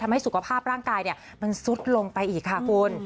ทำให้สุขภาพร่างกายเนี่ยมันสุดลงไปอีกค่ะคุณ